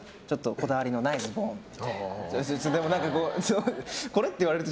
こだわりのないズボンね。